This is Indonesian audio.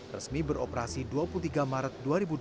resmi beroperasi dua puluh tiga maret dua ribu dua puluh